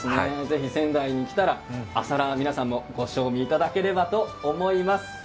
ぜひ、仙台に来たら朝ラー皆さんもご賞味いただけたらと思います。